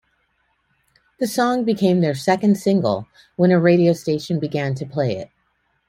The song became their second single when a radio station began to play it.